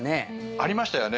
ありましたよね。